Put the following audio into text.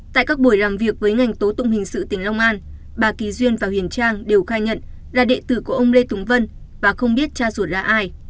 tại các buổi làm việc với ngành tố tụng hình sự tỉnh long an bà kỳ duyên và huyền trang đều khai nhận là đệ tử của ông lê túng vân và không biết cha ruột là ai